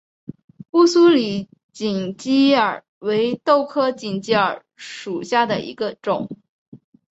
乌苏里锦鸡儿为豆科锦鸡儿属下的一个种。